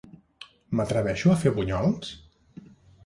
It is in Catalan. M'atreveixo a fer bunyols?